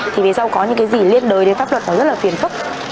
thì vì sao có những cái gì liên đối đến pháp luật nó rất là phiền phức